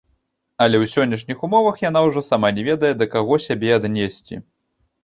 Але ў сённяшніх умовах яна ўжо сама не ведае, да каго сябе аднесці.